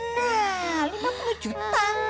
nah lima puluh juta